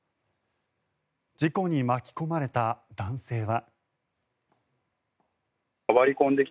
事故に巻き込まれた男性は。